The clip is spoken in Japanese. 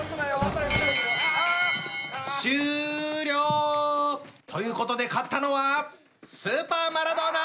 終了！ということで勝ったのはスーパーマラドーナ！